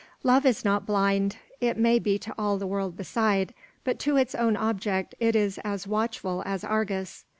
Love is not blind. It may be to all the world beside; but to its own object it is as watchful as Argus.